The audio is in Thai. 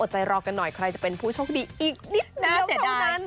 อดใจรอกันหน่อยใครจะเป็นผู้ช่องดีอีกนิดเดียวของนั้น